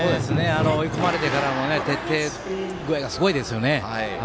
追い込まれてからの徹底具合がすごいですよね。